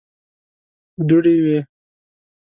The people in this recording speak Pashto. دوړې وې.